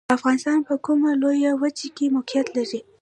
افغانستان په کومه لویه وچې کې موقعیت لري؟